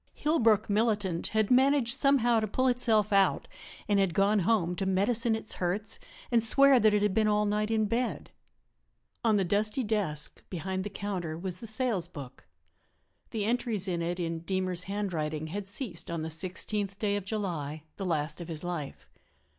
Hillbrook militant had managed somehow to pull itself out and had gone home to medicine its hurts and swear that it had been all night in bed. On the dusty desk, behind the counter, was the sales book. The entries in it, in Deemer's handwriting, had ceased on the 16th day of July, the last of his life.